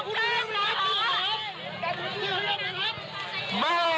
ไม่มีอำหน้าใจในโลกและผู้ปกครองต่างมาและสาดสูง